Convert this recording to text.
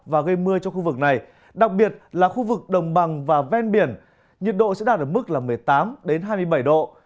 và gây mưa cho khu vực này đặc biệt là khu vực đồng bằng và ven biển nhiệt độ sẽ đạt ở mức một mươi tám hai mươi bảy độ